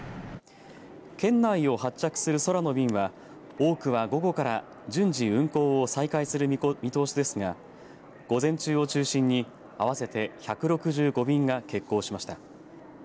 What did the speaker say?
県内を発着する空の便は多くは午後から順次運航を再開する見通しですが午前中を中心に合わせて１６５便が欠航しました。